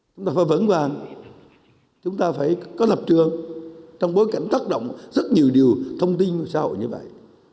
chúng ta phải vững vàng chúng ta phải có lập trường trong bối cảnh tác động rất nhiều điều thông tin xã hội như vậy